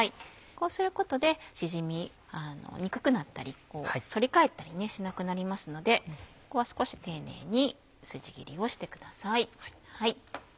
こうすることで縮みにくくなったり反り返ったりしなくなりますのでここは少し丁寧に筋切りをしてください。